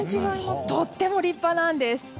とっても立派なんです。